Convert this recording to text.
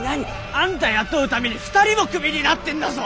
あんた雇うために２人もクビになってんだぞ！